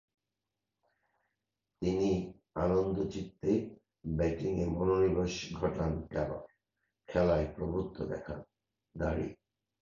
তিনি আনন্দচিত্তে ব্যাটিংয়ে মনোনিবেশ ঘটান টেলর, খেলায় প্রভূত্বঃ দেখান।